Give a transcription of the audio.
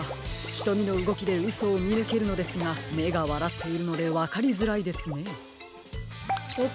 ひとみのうごきでうそをみぬけるのですがめがわらっているのでわかりづらいですね。